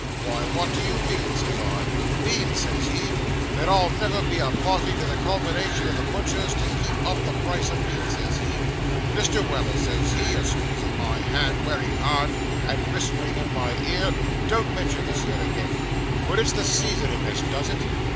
"Why, what do you mean?" says I. "Mean!" says he. "That I'll never be a party to the combination o' the butchers, to keep up the price o' meat," says he. "Mr. Weller," says he, a squeezing my hand wery hard, and vispering in my ear "don't mention this here agin but it's the seasonin' as does it.